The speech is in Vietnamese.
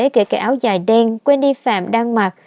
kể cả áo dài đen quên đi phạm đang mặc